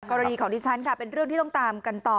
กรณีของดิฉันค่ะเป็นเรื่องที่ต้องตามกันต่อ